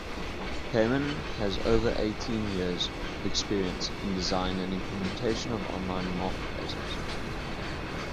Peyman has over eighteen years of experience in design and implementation of online marketplaces.